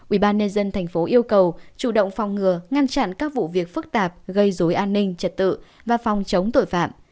ubnd tp yêu cầu chủ động phòng ngừa ngăn chặn các vụ việc phức tạp gây dối an ninh trật tự và phòng chống tội phạm